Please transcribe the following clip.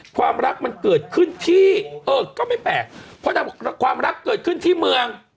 ความรักมันเกิดขึ้นที่เออก็ไม่แปลกเพราะนางบอกความรักเกิดขึ้นที่เมือง